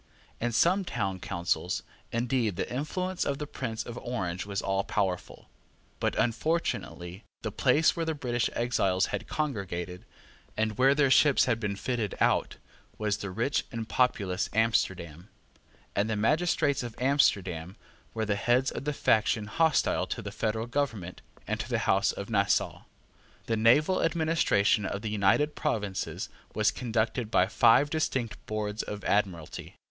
In some town councils, indeed, the influence of the Prince of Orange was all powerful. But unfortunately the place where the British exiles had congregated, and where their ships had been fitted out, was the rich and populous Amsterdam; and the magistrates of Amsterdam were the heads of the faction hostile to the federal government and to the House of Nassau. The naval administration of the United Provinces was conducted by five distinct boards of Admiralty.